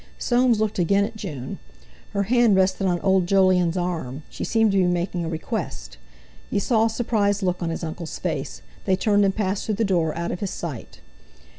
Soames looked again at June. Her hand rested on old Jolyon's arm; she seemed to be making a request. He saw a surprised look on his uncle's face; they turned and passed through the door out of his sight.